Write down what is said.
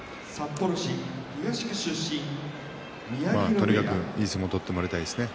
とにかく、いい相撲を取ってもらいたいですね。